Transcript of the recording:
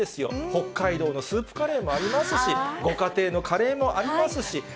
北海道のスープカレーもありますし、ご家庭のカレーもありますし。